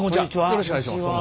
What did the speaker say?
よろしくお願いします。